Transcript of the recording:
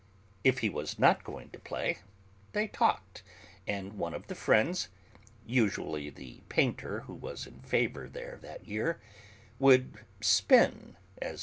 If he was not going to play they talked, and one of the friends usually the painter who was in favour there that year would "spin," as M.